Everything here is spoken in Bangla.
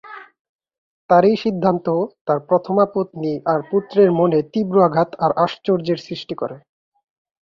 তাঁর এই সিদ্ধান্ত তাঁর প্রথমা পত্নী আর পুত্রের মনে তীব্র আঘাত আর আশ্চর্যের সৃষ্টি করে।